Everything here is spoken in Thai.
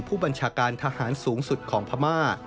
ผู้บัญชาการทหารสูงสุดของพม่า